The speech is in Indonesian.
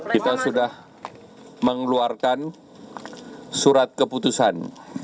kita sudah mengeluarkan surat keputusan